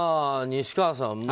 西川さん